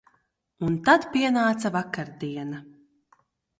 Un tad pienāca vakardiena.